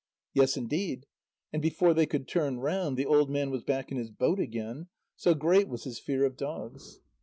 "Yes, indeed." And before they could turn round, the old man was back in his boat again, so great was his fear of dogs.